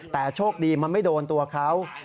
แต่โชคดีมันไม่โดนตัวเขา